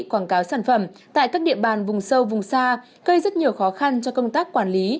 quảng cáo sản phẩm tại các địa bàn vùng sâu vùng xa gây rất nhiều khó khăn cho công tác quản lý